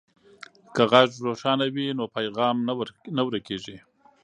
که غږ روښانه وي نو پیغام نه ورکیږي.